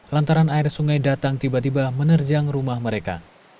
lantaran air sungai datang tiba tiba menerjang rumah mereka